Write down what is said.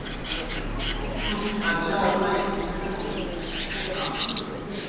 تُس اچا لئی تتیْ ٹِکیْ کیْپ کھانوئے۔